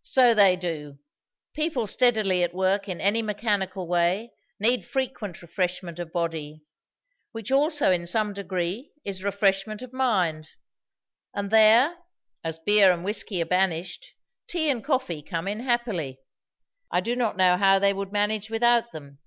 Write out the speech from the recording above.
"So they do. People steadily at work in any mechanical way need frequent refreshment of body, which also in some degree is refreshment of mind; and there, as beer and whiskey are banished, tea and coffee come in happily. I do not know how they would manage without them.